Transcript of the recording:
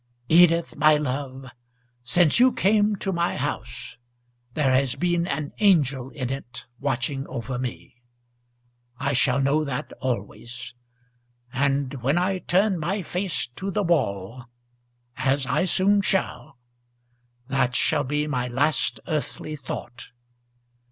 "Edith, my love, since you came to my house there has been an angel in it watching over me. I shall know that always; and when I turn my face to the wall, as I soon shall, that shall be my last earthly thought."